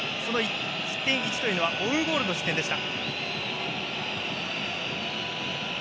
失点１というのはオウンゴールの失点でした。